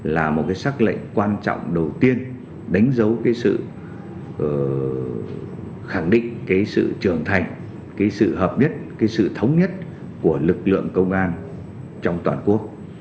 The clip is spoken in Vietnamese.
là một sắc lệnh quan trọng đầu tiên đánh dấu sự khẳng định sự trưởng thành sự hợp nhất sự thống nhất của lực lượng công an trong toàn quốc